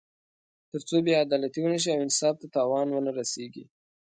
تر څو بې عدالتي ونه شي او انصاف ته تاوان ونه رسېږي.